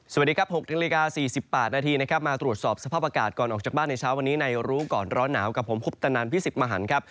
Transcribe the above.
สวัสดีครับ๖นาฬิกา๔๘นาทีนะครับมาตรวจสอบสภาพอากาศก่อนออกจากบ้านในเช้าวันนี้ในรู้ก่อนร้อนหนาวกับผมคุปตนันพิสิทธิ์มหันครับ